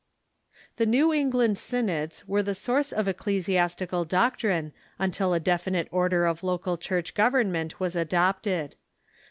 The New England synods were the source of ecclesiastical doctrine until a definite order of local church government was adopted.